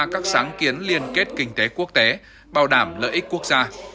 các sáng kiến liên kết kinh tế quốc tế bảo đảm lợi ích quốc gia